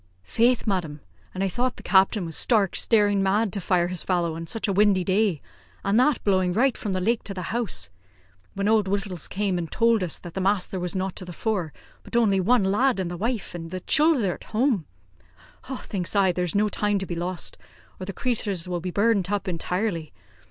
"Faith, madam! an' I thought the captain was stark, staring mad to fire his fallow on such a windy day, and that blowing right from the lake to the house. When Old Wittals came in and towld us that the masther was not to the fore, but only one lad, an' the wife an' the chilther at home, thinks I, there's no time to be lost, or the crathurs will be burnt up intirely.